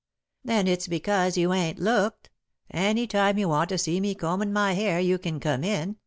"Then it's because you ain't looked. Any time you want to see me combin' my hair you can come in.